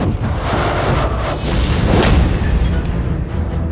ayo kita pergi ke tempat yang lebih baik